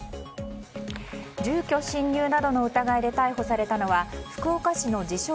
住居侵入などの疑いで逮捕されたのは福岡市の自称